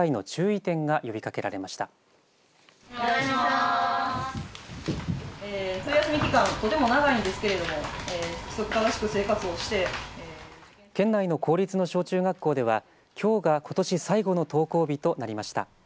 とても長いんですけれども規則正しく生活をして県内の公立の小中学校ではきょうがことし最後の登校日となりました。